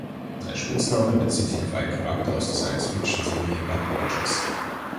Sein Spitzname bezieht sich auf einen Charakter aus der Science-Fiction-Serie "Buck Rogers".